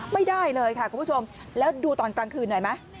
ไม่ได้เลยค่ะคุณผู้ชมแล้วดูตอนกลางคืนหน่อยไหม